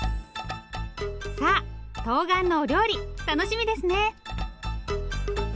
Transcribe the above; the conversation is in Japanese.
さあとうがんのお料理楽しみですね。